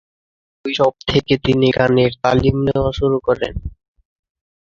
শৈশব থেকেই তিনি গানের তালিম নেওয়া শুরু করেন।